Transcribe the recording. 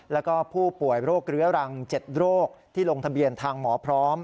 แล้วก็ผู้ป่วยโรคเรื้อรัง๗โรคที่ลงทะเบียนทางหมอพร้อม